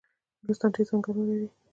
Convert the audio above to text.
نورستان ډیر ځنګلونه لري